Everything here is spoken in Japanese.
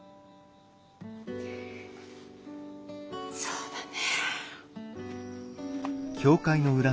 そうだね。